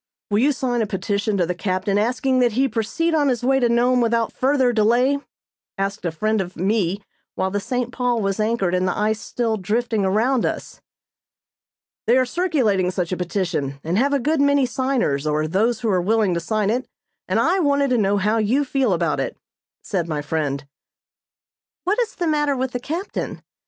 "Will you sign a petition to the captain asking that he proceed on his way to Nome without further delay?" asked a friend of me while the "St. Paul" was anchored and the ice still drifting around us. "They are circulating such a petition, and have a good many signers, or those who are willing to sign it, and I wanted to know how you feel about it," said my friend. "What is the matter with the captain?